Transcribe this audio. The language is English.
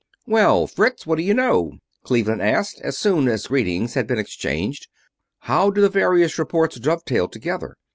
"Well, Fritz, what do you know?" Cleveland asked, as soon as greetings had been exchanged. "How do the various reports dovetail together?